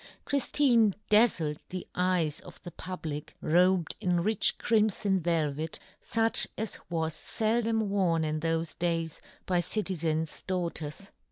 Chrif tine dazzled the eyes of the public, robed in rich crimfon velvet, fuch as 10 John Gutenberg. was feldom worn in thofe days by citizens' daughters.